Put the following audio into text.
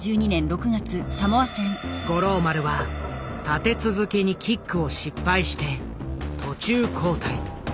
五郎丸は立て続けにキックを失敗して途中交代。